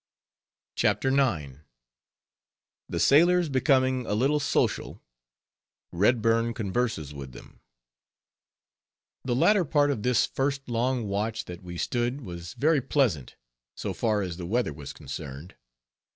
CHAPTER IX. THE SAILORS BECOMING A LITTLE SOCIAL, REDBURN CONVERSES WITH THEM The latter part of this first long watch that we stood was very pleasant, so far as the weather was concerned.